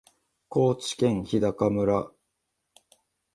高知県日高村